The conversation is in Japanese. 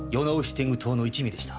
天狗党の一味でした。